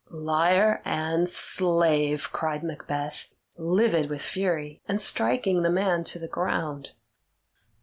"Liar and slave!" cried Macbeth, livid with fury, and striking the man to the ground.